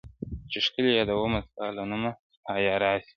؛چي ښکلي یادومه ستا له نومه حیا راسي؛